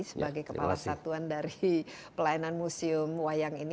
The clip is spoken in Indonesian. sebagai kepala satuan dari pelayanan museum wayang ini